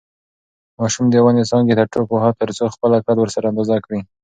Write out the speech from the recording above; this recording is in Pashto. ماشوم د ونې څانګې ته ټوپ واهه ترڅو خپله قد ورسره اندازه کړي.